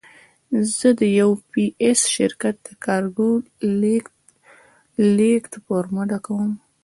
زه د یو پي ایس شرکت د کارګو لېږد فورمه ډکوم.